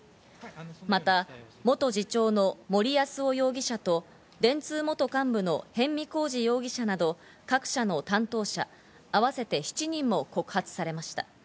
また元次長の森泰夫容疑者と電通元幹部の逸見晃治容疑者など各社の担当者合わせて７人も告発されました。